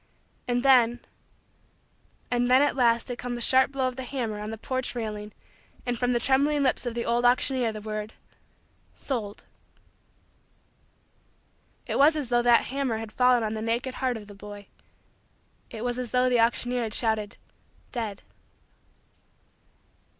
And then and then at last had come the sharp blow of the hammer on the porch railing and from the trembling lips of the old auctioneer the word: "Sold." It was as though that hammer had fallen on the naked heart of the boy. It was as though the auctioneer had shouted: "Dead."